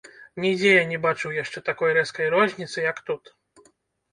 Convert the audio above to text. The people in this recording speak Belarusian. Нідзе я не бачыў яшчэ такой рэзкай розніцы, як тут.